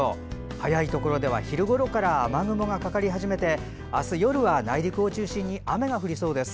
早いところでは昼ごろから雨雲がかかり始めてあす夜は内陸を中心に雨が降りそうです。